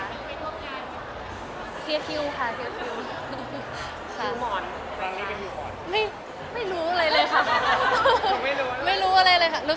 อาทิตย์หนึ่งบ้างค่ะ